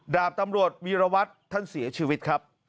ดาบตำรวจวีรวัตรท่านเสียชีวิตครับ